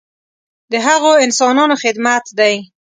د هغو انسانانو خدمت دی.